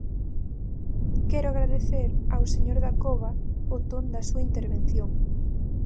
Quero agradecer ao señor Dacova o ton da súa intervención.